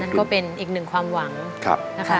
ก็เป็นอีกหนึ่งความหวังนะคะ